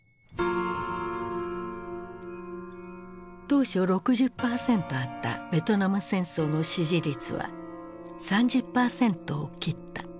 当初６０％あったベトナム戦争の支持率は３０％を切った。